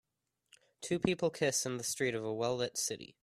Two people kiss in the street of a welllit city.